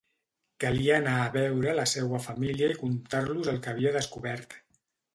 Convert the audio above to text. Calia anar a veure la seua família i contar-los el que havia descobert.